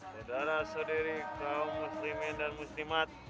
saudara saudari kaum muslimin wal muslimat